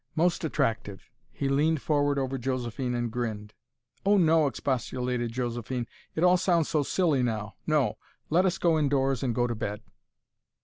Most attractive." He leaned forward over Josephine, and grinned. "Oh, no!" expostulated Josephine. "It all sounds so silly now. No. Let us go indoors and go to bed."